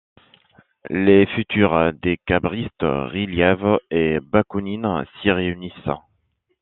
Les futurs dékabristes Ryleïev et Bakounine s'y réunissent.